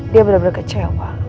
dia bener bener kecewa